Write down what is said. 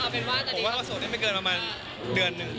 ผมว่าเราโสดได้ไม่เกินประมาณเดือนหนึ่ง